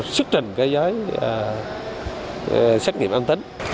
xuất trình cái giấy xét nghiệm an tính